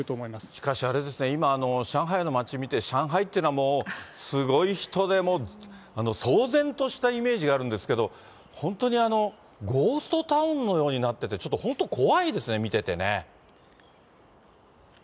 しかしあれですね、上海の街見て、上海ってのはもう、すごい人で、もう騒然としたイメージがあるんですけど、本当にゴーストタウンのようになってて、ちょっそうですね。